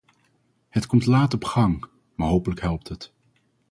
Het komt laat op gang, maar hopelijk helpt het.